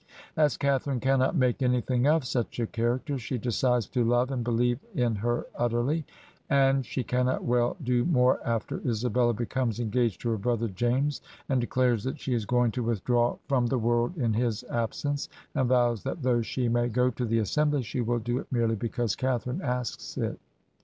As Catharine cannot make anj^hing of such a character, she decides to love and believe in her utterly, and she cannot well do more after Isabella becomes engaged to her brother James, and declares that she is going to withdraw from the 6i Google — Digitized by VjOOQ HEROINES OF FICTION world in his absence, and vows that though she may go to the assembly she will do it merely because Catha rine asks it.